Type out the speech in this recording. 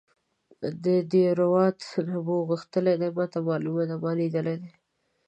د دیراوت نبو غښتلی دی ماته معلوم دی ما لیدلی دی.